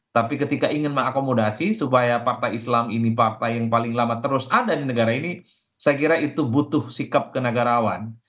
tapi ketika ingin mengakomodasi supaya partai islam ini partai yang paling lama terus ada di negara ini saya kira itu butuh sikap kenegarawan